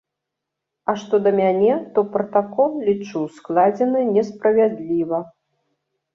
А што да мяне, то пратакол, лічу, складзены несправядліва.